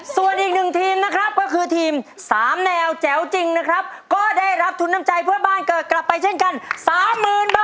ส่วนอีกหนึ่งทีมนะครับก็คือทีม๓แนวแจ๋วจริงนะครับก็ได้รับทุนน้ำใจเพื่อบ้านเกิดกลับไปเช่นกันสามหมื่นบาท